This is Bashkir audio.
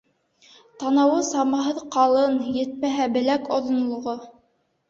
Танауы самаһыҙ ҡалын, етмәһә, беләк оҙонлоғо.